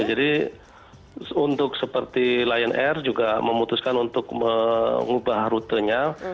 untuk seperti lion air juga memutuskan untuk mengubah rutenya